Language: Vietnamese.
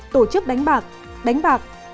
tổ chức đánh bạc